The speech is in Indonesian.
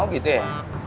oh gitu ya